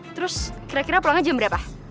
terus kira kira pulangnya jam berapa